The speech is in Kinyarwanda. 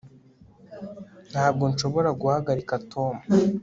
ntabwo nshobora guhagarika tom